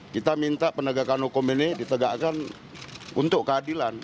kita minta penegakan hukum ini ditegakkan untuk keadilan